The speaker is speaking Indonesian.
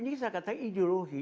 ini bisa dikatakan ideologi